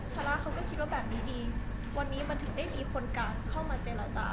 ซาร่าเขาก็คิดว่าแบบนี้ดีวันนี้มันถึงได้มีคนกลางเข้ามาเจรจา